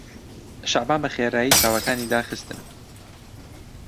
شەعبان بەخێرایی چاوەکانی داخستن.